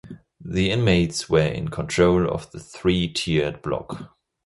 The inmates were in control of the three-tiered block.